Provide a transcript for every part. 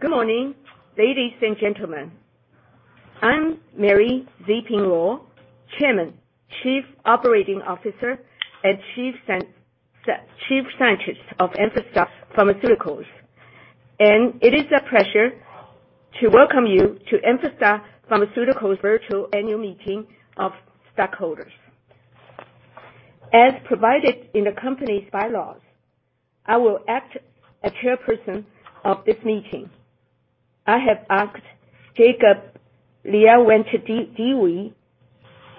Good morning, ladies and gentlemen. I'm Mary Z. Luo, Chairman, Chief Operating Officer, and Chief Scientist of Amphastar Pharmaceuticals. And it is a pleasure to welcome you to Amphastar Pharmaceuticals' virtual annual meeting of stakeholders. As provided in the company's bylaws, I will act as chairperson of this meeting. I have asked Jacob Liawatidewi,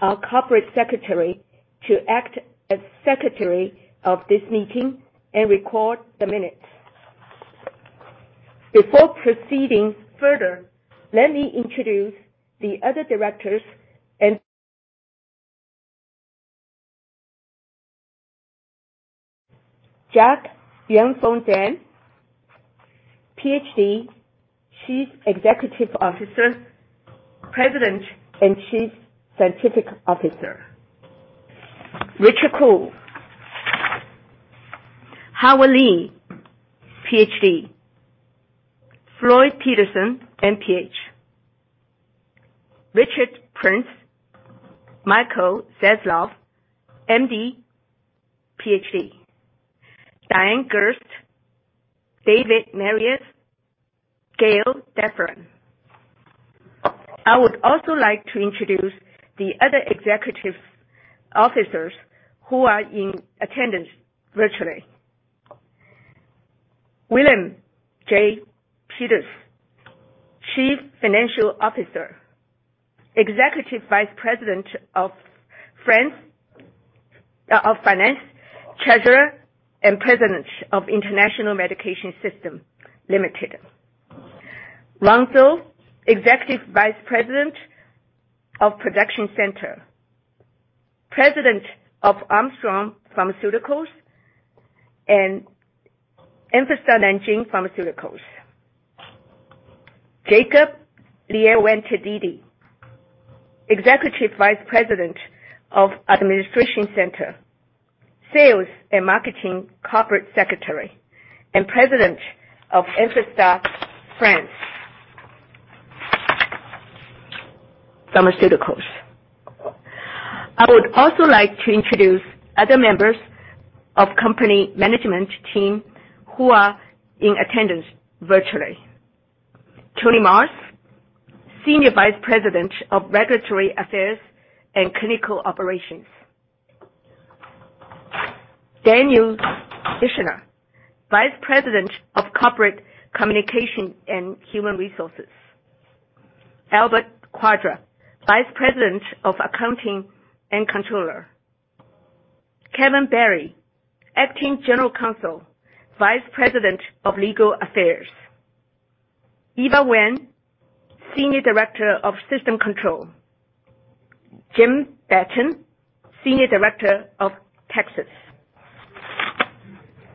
our corporate secretary, to act as secretary of this meeting and record the minutes. Before proceeding further, let me introduce the other directors and Jack Y. Zhang, Ph.D., Chief Executive Officer, President, and Chief Scientific Officer. Richard Koo, Howard Lee, Ph.D., Floyd F. Petersen, M.P.H., Richard Prins, Michael A. Zasloff, M.D., Ph.D., Diane G. Gerst, David R. Witt, Gayle A. Deflin. I would also like to introduce the other executive officers who are in attendance virtually. William J. Peters, Chief Financial Officer, Executive Vice President of Finance, Treasurer, and President of International Medication Systems Limited. Zhou, Executive Vice President of Production Center, President of Armstrong Pharmaceuticals and Amphastar Nanjing Pharmaceuticals. Jacob Liawatidewi, Executive Vice President of Administration Center, Sales and Marketing Corporate Secretary, and President of Amphastar France Pharmaceuticals. I would also like to introduce other members of the company management team who are in attendance virtually. Tony Marrs, Senior Vice President of Regulatory Affairs and Clinical Operations. Dan Dischner, Vice President of Corporate Communications and Human Resources. Albert Quadra, Vice President of Accounting and Controller. Kevin Berry, Acting General Counsel, Vice President of Legal Affairs. Ivy Nguyen, Senior Director of System Control. Jim Batten, Senior Director of Taxes.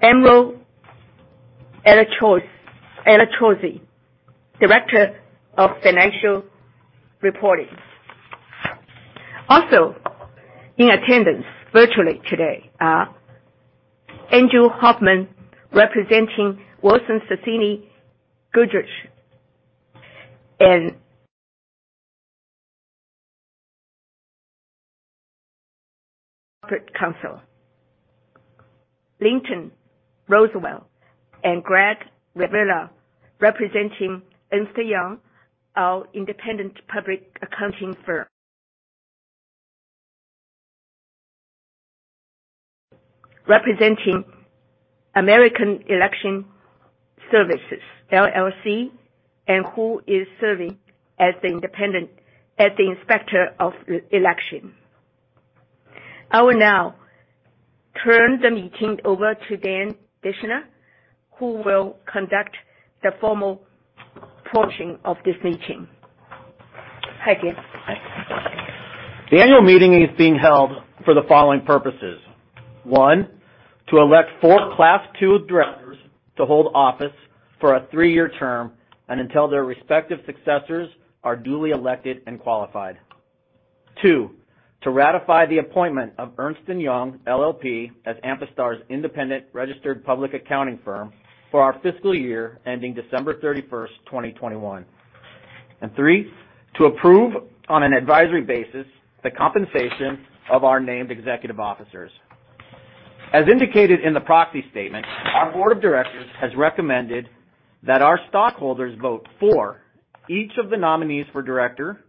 Amer Alatrosi, Director of Financial Reporting. Also in attendance virtually today are Andrew Hoffman, representing Wilson Sonsini Goodrich & Rosati and Corporate Counsel. Linton Roswell and Greg Rivera, representing Ernst & Young, our independent public accounting firm. Representing American Election Services, LLC and who is serving as the Inspector of Election. I will now turn the meeting over to Dan Dischner, who will conduct the formal portion of this meeting. Hi Dan. The annual meeting is being held for the following purposes: one, to elect four Class II directors to hold office for a three-year term and until their respective successors are duly elected and qualified, two, to ratify the appointment of Ernst & Young LLP as Amphastar's independent registered public accounting firm for our fiscal year ending 31 December 2021, and three, to approve on an advisory basis the compensation of our named executive officers. As indicated in the proxy statement, our Board of Directors has recommended that our stockholders vote for each of the nominees for director,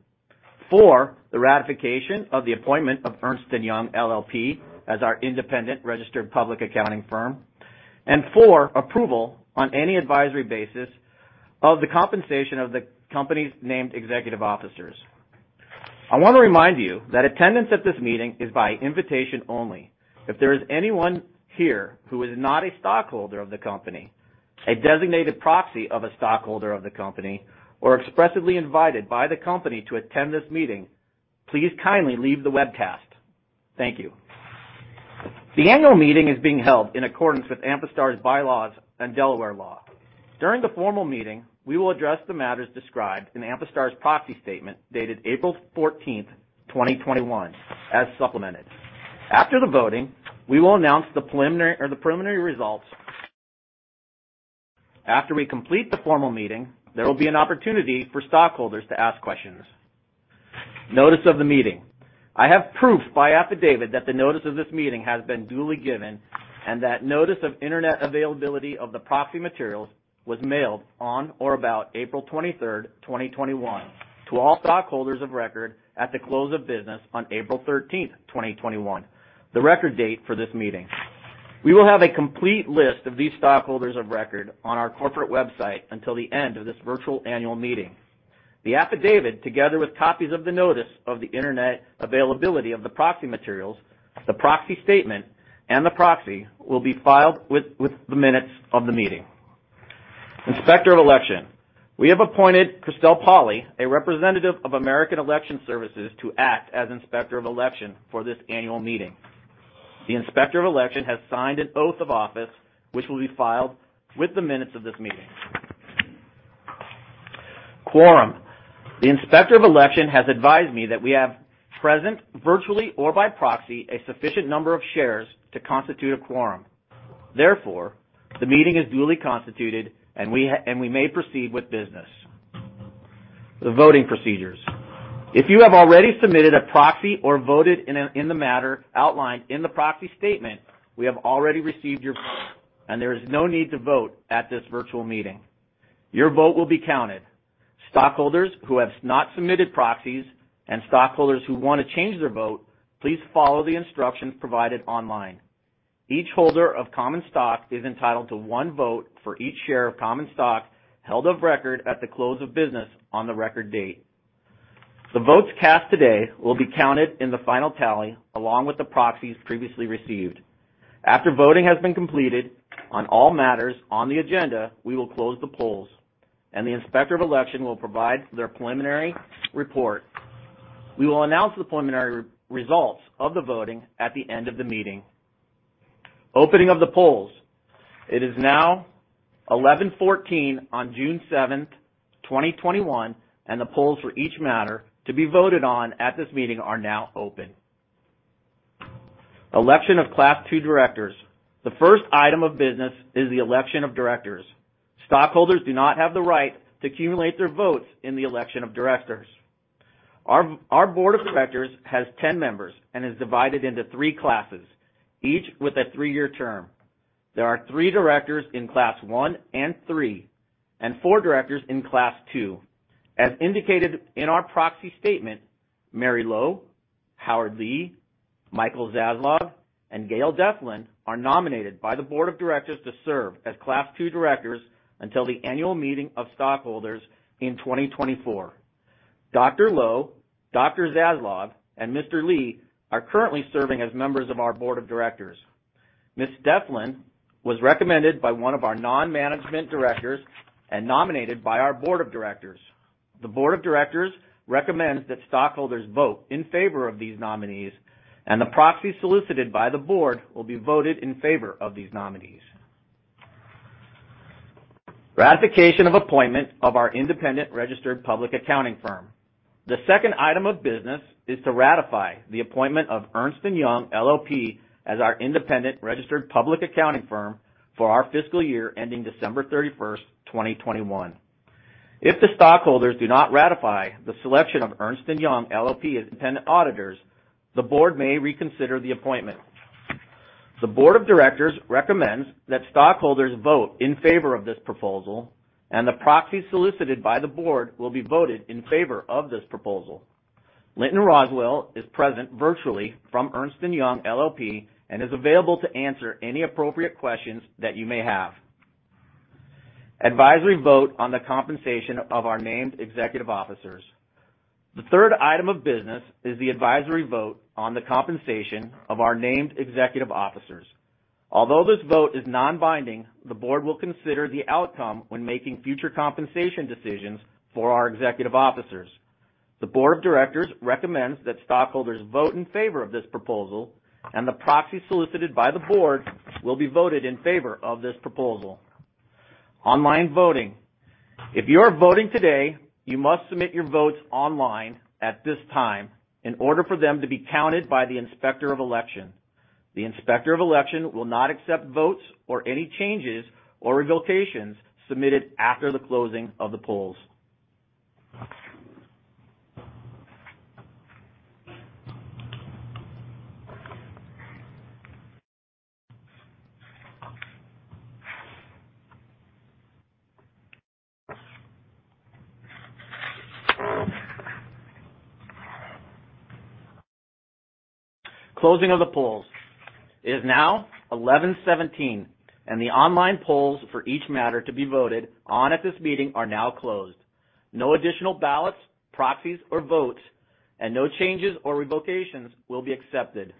for the ratification of the appointment of Ernst & Young LLP as our independent registered public accounting firm, and for approval on an advisory basis of the compensation of the company's named executive officers. I want to remind you that attendance at this meeting is by invitation only. If there is anyone here who is not a stockholder of the company, a designated proxy of a stockholder of the company, or expressly invited by the company to attend this meeting, please kindly leave the webcast. Thank you. The annual meeting is being held in accordance with Amphastar's bylaws and Delaware law. During the formal meeting, we will address the matters described in Amphastar's proxy statement dated 14 April 2021, as supplemented. After the voting, we will announce the preliminary results. After we complete the formal meeting, there will be an opportunity for stockholders to ask questions. Notice of the meeting. I have proof by affidavit that the notice of this meeting has been duly given and that notice of internet availability of the proxy materials was mailed on or about 23 April 2021, to all stockholders of record at the close of business on 13 April 2021, the record date for this meeting. We will have a complete list of these stockholders of record on our corporate website until the end of this virtual annual meeting. The affidavit, together with copies of the notice of the internet availability of the proxy materials, the proxy statement, and the proxy, will be filed with the minutes of the meeting. Inspector of Election. We have appointed Christelle Pauly, a representative of American Election Services, to act as Inspector of Election for this annual meeting. The Inspector of Election has signed an oath of office, which will be filed with the minutes of this meeting. Quorum. The Inspector of Election has advised me that we have present, virtually or by proxy, a sufficient number of shares to constitute a quorum. Therefore, the meeting is duly constituted, and we may proceed with business. The voting procedures. If you have already submitted a proxy or voted in the matter outlined in the proxy statement, we have already received your vote, and there is no need to vote at this virtual meeting. Your vote will be counted. Stockholders who have not submitted proxies and stockholders who want to change their vote, please follow the instructions provided online. Each holder of common stock is entitled to one vote for each share of common stock held of record at the close of business on the record date. The votes cast today will be counted in the final tally along with the proxies previously received. After voting has been completed on all matters on the agenda, we will close the polls, and the Inspector of Election will provide their preliminary report. We will announce the preliminary results of the voting at the end of the meeting. Opening of the polls. It is now 11:14 AM on 7 June 2021, and the polls for each matter to be voted on at this meeting are now open. Election of Class II directors. The first item of business is the election of directors. Stockholders do not have the right to accumulate their votes in the election of directors. Our Board of Directors has 10 members and is divided into three classes, each with a three-year term. There are three directors in Class I and III, and four directors in Class II. As indicated in our proxy statement, Mary Luo, Howard Lee, Michael Zasloff, and Gayle A. Deflin are nominated by the Board of Directors to serve as Class II directors until the annual meeting of stockholders in 2024. Dr. Luo, Dr. Zasloff, and Mr. Lee are currently serving as members of our Board of Directors. Ms. Deflin was recommended by one of our non-management directors and nominated by our Board of Directors. The Board of Directors recommends that stockholders vote in favor of these nominees, and the proxy solicited by the Board will be voted in favor of these nominees. Ratification of appointment of our independent registered public accounting firm. The second item of business is to ratify the appointment of Ernst & Young LLP as our independent registered public accounting firm for our fiscal year ending 31 December 2021. If the stockholders do not ratify the selection of Ernst & Young LLP as independent auditors, the Board may reconsider the appointment. The Board of Directors recommends that stockholders vote in favor of this proposal, and the proxy solicited by the Board will be voted in favor of this proposal. Linton Roswell is present virtually from Ernst & Young LLP and is available to answer any appropriate questions that you may have. Advisory vote on the compensation of our named executive officers. The third item of business is the advisory vote on the compensation of our named executive officers. Although this vote is non-binding, the Board will consider the outcome when making future compensation decisions for our executive officers. The Board of Directors recommends that stockholders vote in favor of this proposal, and the proxy solicited by the Board will be voted in favor of this proposal. Online voting. If you are voting today, you must submit your votes online at this time in order for them to be counted by the Inspector of Election. The Inspector of Election will not accept votes or any changes or revocations submitted after the closing of the polls. Closing of the polls. It is now 11:17 A.M., and the online polls for each matter to be voted on at this meeting are now closed. No additional ballots, proxies, or votes, and no changes or revocations will be accepted.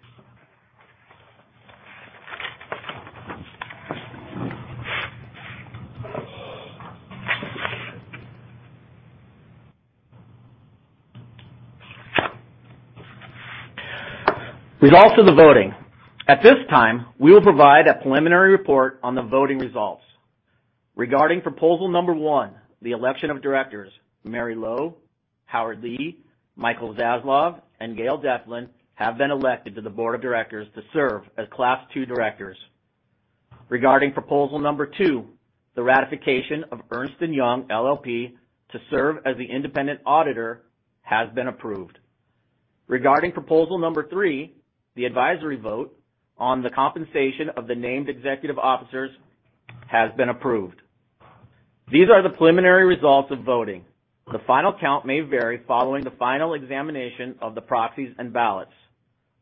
Results of the voting. At this time, we will provide a preliminary report on the voting results. Regarding proposal number one, the election of directors, Mary Z. Luo, Howard Lee, Michael A. Zasloff, and Diane G. Gerst have been elected to the Board of Directors to serve as Class II directors. Regarding proposal number two, the ratification of Ernst & Young LLP to serve as the independent auditor has been approved. Regarding proposal number three, the advisory vote on the compensation of the named executive officers has been approved. These are the preliminary results of voting. The final count may vary following the final examination of the proxies and ballots.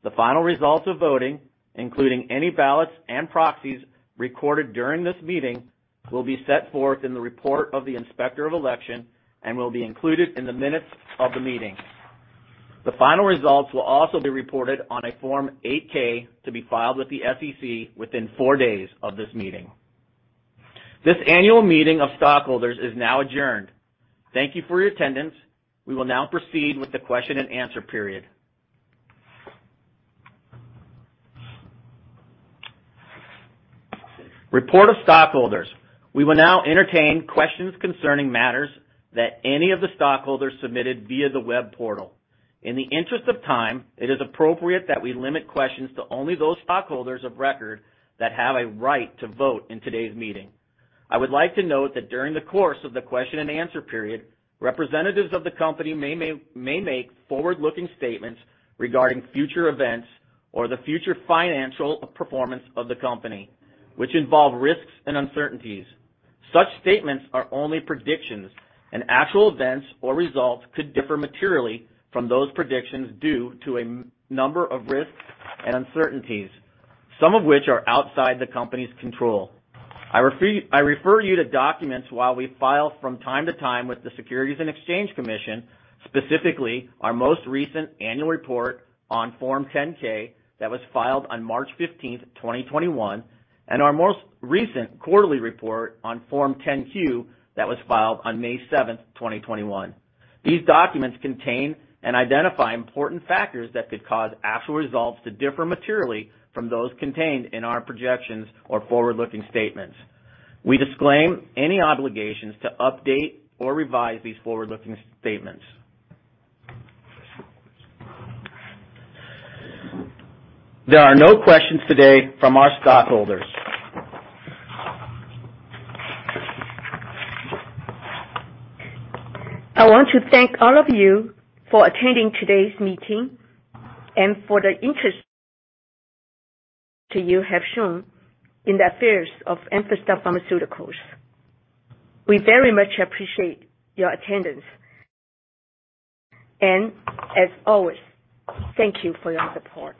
The final results of voting, including any ballots and proxies recorded during this meeting, will be set forth in the report of the Inspector of Election and will be included in the minutes of the meeting. The final results will also be reported on a Form 8-K to be filed with the SEC within four days of this meeting. This annual meeting of stockholders is now adjourned. Thank you for your attendance. We will now proceed with the question-and-answer period. Report of stockholders. We will now entertain questions concerning matters that any of the stockholders submitted via the web portal. In the interest of time, it is appropriate that we limit questions to only those stockholders of record that have a right to vote in today's meeting. I would like to note that during the course of the question and answer period, representatives of the company may make forward-looking statements regarding future events or the future financial performance of the company, which involve risks and uncertainties. Such statements are only predictions, and actual events or results could differ materially from those predictions due to a number of risks and uncertainties, some of which are outside the company's control. I refer you to documents while we file from time to time with the Securities and Exchange Commission, specifically our most recent annual report on Form 10-K that was filed on 15 March 2021, and our most recent quarterly report on Form 10-Q that was filed on 7 May 2021. These documents contain and identify important factors that could cause actual results to differ materially from those contained in our projections or forward-looking statements. We disclaim any obligations to update or revise these forward-looking statements. There are no questions today from our stockholders. I want to thank all of you for attending today's meeting and for the interest that you have shown in the affairs of Amphastar Pharmaceuticals. We very much appreciate your attendance, and as always, thank you for your support.